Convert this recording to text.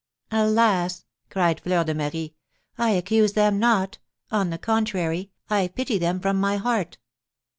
"Alas!" cried Fleur de Marie, "I accuse them not; on the contrary, I pity them from my heart!"